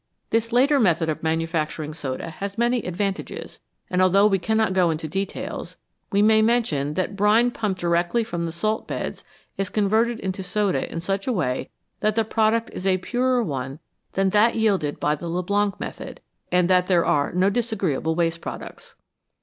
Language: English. This later method of manufacturing soda has many advantages, and although we cannot go into details, we may mention that brine pumped directly from the salt beds is converted into soda in such a way that the product is a purer one than that yielded by the Leblanc method, and that there are no disagreeable waste products.